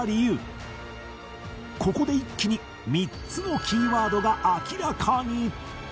ここで一気に３つのキーワードが明らかに